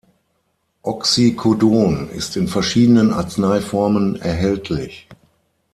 Oxycodon ist in verschiedenen Arzneiformen erhältlich.